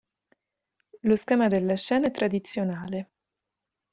Lo schema della scena è tradizionale.